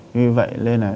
như vậy nên là